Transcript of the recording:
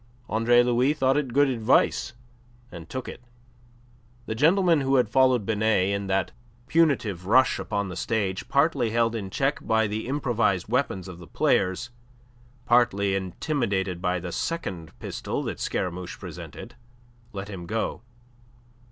Andre Louis thought it good advice, and took it. The gentlemen who had followed Binet in that punitive rush upon the stage, partly held in check by the improvised weapons of the players, partly intimidated by the second pistol that Scaramouche presented, let him go.